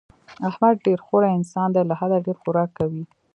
احمد ډېر خوری انسان دی، له حده ډېر خوراک کوي.